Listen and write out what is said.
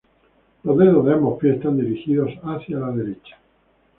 Los dedos de ambos pies están dirigidos hacia la derecha.